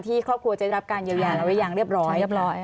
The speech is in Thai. ที่ครอบครัวจะได้รับการเยอะแยะแล้วหรือยังเรียบร้อย